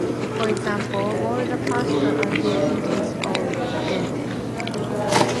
For example, "Boil the pasta until it is al dente."